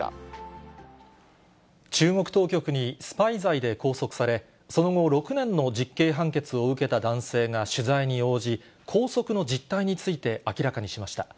中国当局にスパイ罪で拘束され、その後、６年の実刑判決を受けた男性が取材に応じ、拘束の実態について明らかにしました。